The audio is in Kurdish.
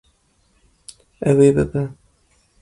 Ew ê bibe.